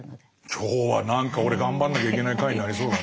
今日は何か俺頑張んなきゃいけない回になりそうだな。